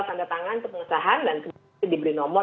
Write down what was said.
tanda tangan pengesahan dan kemudian diberi nomor